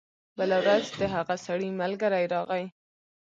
بله ورځ د هغه سړي ملګری راغی.